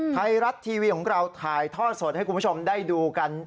ไทยรัฐทีวีของเราถ่ายท่อสดให้คุณผู้ชมได้ดูกัน